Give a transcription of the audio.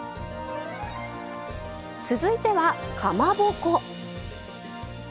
続いては、かまぼこ。